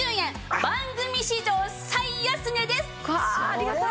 うわありがたい！